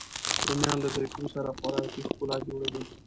رومیان له زیتون سره خوراکي ښکلا جوړوي